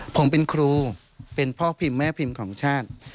ผมเป็นครูเป็นพ่อพิมพ์แม่พิมพ์ของชาติ